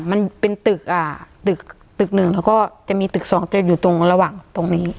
มันเป็นตึกอ่าตึกตึกหนึ่งแล้วก็จะมีตึกสองจะอยู่ตรงระหว่างตรงนี้